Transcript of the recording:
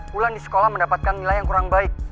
pulang di sekolah mendapatkan nilai yang kurang baik